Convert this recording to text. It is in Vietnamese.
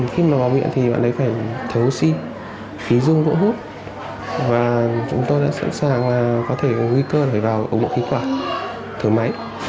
khi mà báo viện thì bạn ấy phải thử oxy khí dung vỗ hút và chúng tôi đã sẵn sàng là có thể có nguy cơ để vào ống bộ khí quả thử máy